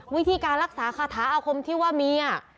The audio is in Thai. วิธีการรักษาคาถาอาคมที่ว่ามี